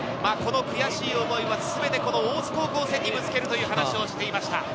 この悔しい思いはせめて大津高校戦にぶつけるという話をしていました。